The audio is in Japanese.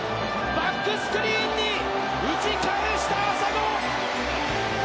バックスクリーンに打ち返した浅野！